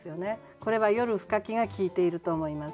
これは「夜深き」が効いていると思います。